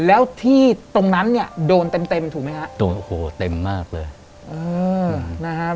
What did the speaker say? แล้วที่ตรงนั้นเนี่ยโดนเต็มถูกไหมครับโอ้โหเต็มมากเลยเออนะครับ